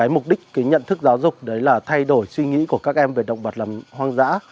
mục đích nhận thức giáo dục là thay đổi suy nghĩ của các em về động vật hoang dã